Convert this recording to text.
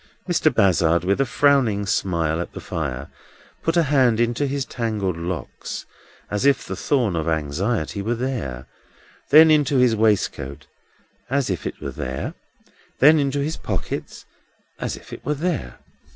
Mr. Bazzard, with a frowning smile at the fire, put a hand into his tangled locks, as if the thorn of anxiety were there; then into his waistcoat, as if it were there; then into his pockets, as if it were there.